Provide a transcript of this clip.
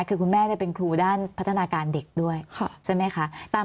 คือคุณแม่เป็นครูด้านพัฒนาการเด็กด้วยใช่ไหมคะ